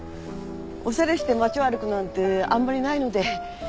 おしゃれして街を歩くなんてあんまりないので。